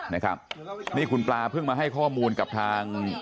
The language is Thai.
นะครับนี่คุณปลาเพิ่งมาให้ข้อมูลกับทาง